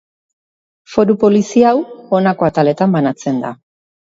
Foru polizia hau, honako ataletan banatzen da.